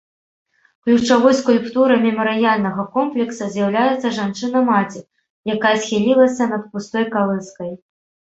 Ключавой скульптурай мемарыяльнага комплекса з'яўляецца жанчына-маці, якая схілілася над пустой калыскай.